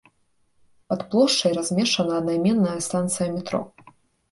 Пад плошчай размешчана аднайменная станцыя метро.